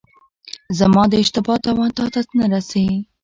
زما د اشتبا تاوان تاته نه رسي.